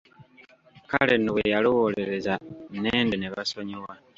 Kale nno bwe yalowoolereza nende ne basonyiwa.